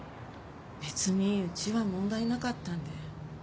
別にうちは問題なかったんで。